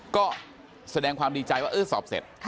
ก็แสดงความดีใจว่าเออสอบเสร็จ